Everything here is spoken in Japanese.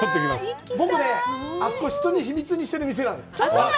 僕ね、あそこ、人に秘密にしてる店なんです。